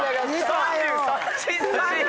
３３！